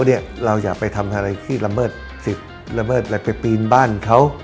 เราอย่าไปทำอะไรที่ละเมิดสิทธิ์ละเมิดอะไรไปปีนบ้านเขา